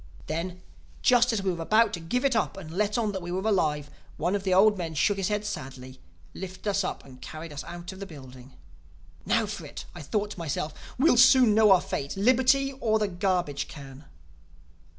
"Then, just as we were about to give it up and let on that we were alive, one of the old men shook his head sadly, lifted us up and carried us out of the building. "'Now for it!' I thought to myself. 'We'll soon know our fate: liberty or the garbage can.